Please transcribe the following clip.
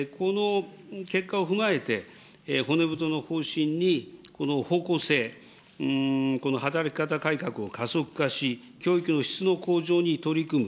この結果を踏まえて、骨太の方針に方向性、この働き方改革を加速し、質の向上に取り組む